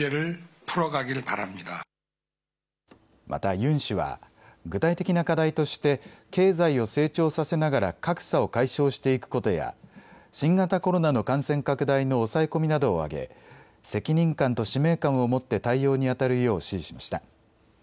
またユン氏は具体的な課題として経済を成長させながら格差を解消していくことや新型コロナの感染拡大の抑え込みなどを挙げ責任感と使命感を持って対応にあたるよう指示しました。